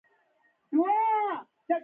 په روښانه لمرینه ورځ چکر خوند کوي.